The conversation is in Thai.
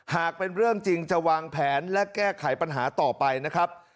หากเป็นเรื่องจริงจะวางแผนและแก้ไขปัญหาต่อไปนะครับ